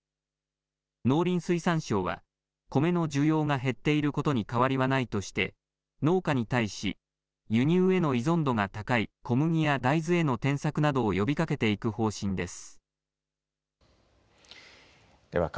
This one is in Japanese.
農林水産省はコメの需要が減っていることに変わりはないとして農家に対し輸入への依存度が高い小麦や大豆への転作などを呼びかけていく方針です。